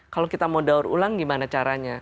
kalau kita mau daur ulang gimana caranya